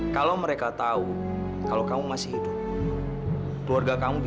sampai jumpa di video selanjutnya